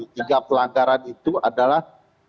tiga pelanggaran itu adalah